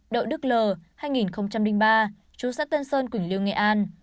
đậu đức lờ sinh năm hai nghìn ba chú xã tân sơn quỳnh lưu nghệ an